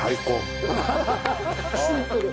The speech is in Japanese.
シンプル。